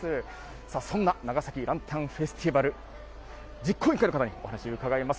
さあ、そんな長崎ランタンフェスティバル、実行委員会の方に、お話伺います。